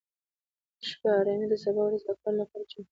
د شپې ارامي د سبا ورځې د کار لپاره چمتووالی دی.